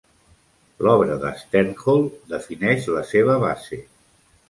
L'obra d'Sternhold defineix la seva base.